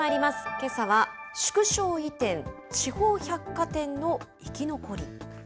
けさは、縮小移転、地方百貨店の生き残り。